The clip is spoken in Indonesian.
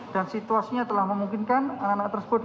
dan situasinya telah memungkinkan anak anak tersebut